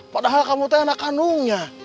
padahal kamu itu anak kandungnya